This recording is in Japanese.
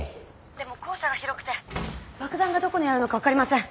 でも校舎が広くて爆弾がどこにあるのか分かりません。